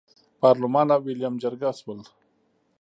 پارلمان او ویلیم جرګه شول.